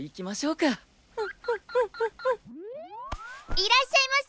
いらっしゃいませ！